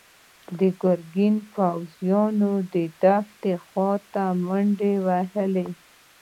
د ګرګين پوځيانو د دښتې خواته منډې وهلي.